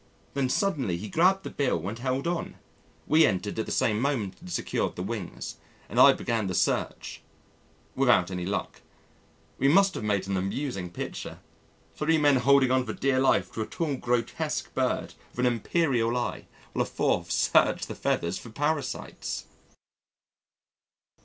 Then suddenly he grabbed the bill and held on. We entered at the same moment and secured the wings, and I began the search without any luck. We must have made an amusing picture three men holding on for dear life to a tall, grotesque bird with an imperial eye, while a fourth searched the feathers for parasites!